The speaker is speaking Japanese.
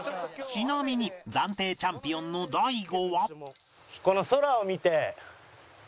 ちなみに暫定チャンピオンの大悟は